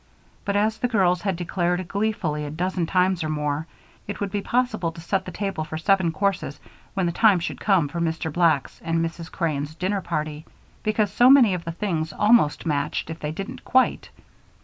But, as the girls had declared gleefully a dozen times or more, it would be possible to set the table for seven courses when the time should come for Mr. Black's and Mrs. Crane's dinner party, because so many of the things almost matched if they didn't quite.